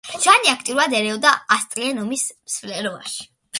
ჟანი აქტიურად ერეოდა ასწლიანი ომის მსვლელობაში.